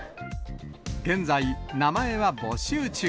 現在、名前は募集中。